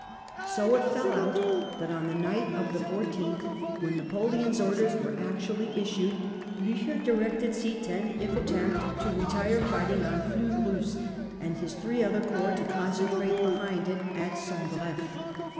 So it fell out that on the night of the 14th, when Napoleon's orders were actually issued, Blucher directed Ziethen, if attacked, to retire fighting on Fleurus, and his three other corps to concentrate behind it at Sombreffe.